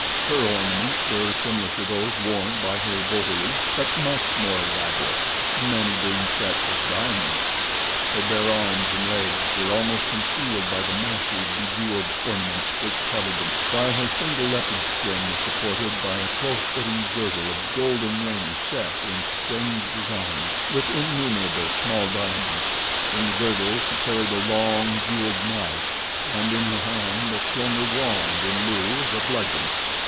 Her ornaments were similar to those worn by her votaries, but much more elaborate, many being set with diamonds. Her bare arms and legs were almost concealed by the massive, bejeweled ornaments which covered them, while her single leopard skin was supported by a close fitting girdle of golden rings set in strange designs with innumerable small diamonds. In the girdle she carried a long, jeweled knife, and in her hand a slender wand in lieu of a bludgeon.